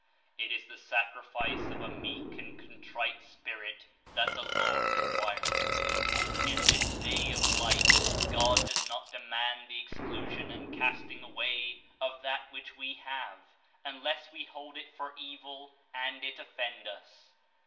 It is the sacrifice of a meek and contrite spirit that the Lord requires. In this day of Light God does not demand the exclusion and casting away of that which we have, unless we hold it for evil and it ^'offend us."